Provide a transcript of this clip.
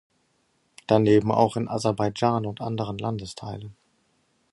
Daneben auch in Aserbaidschan und anderen Landesteilen.